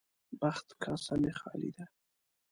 بخت کاسه مې خالي ده.